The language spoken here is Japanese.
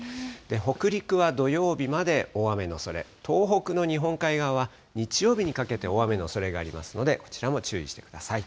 北陸は土曜日まで大雨のおそれ、東北の日本海側は、日曜日にかけて大雨のおそれがありますので、こちらも注意してください。